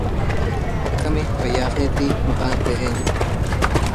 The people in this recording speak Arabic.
أتزعم حب أقوام وتنسى